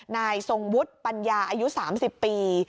นายทรงวุฒิปัญญาอายุ๓๐ปี